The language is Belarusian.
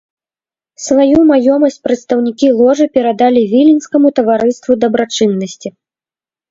Сваю маёмасць прадстаўнікі ложы перадалі віленскаму таварыству дабрачыннасці.